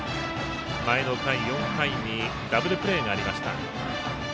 前の回４回にダブルプレーがありました。